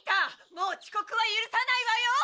もう遅刻は許さないわよ！